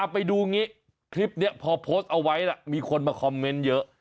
ไปดูงี้คลิปนี้พอโพสต์เอาไว้มีคนมาคอมเมนต์เยอะ